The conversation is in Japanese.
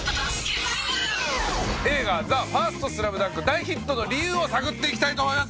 映画『ＴＨＥＦＩＲＳＴＳＬＡＭＤＵＮＫ』大ヒットの理由を探っていきたいと思います！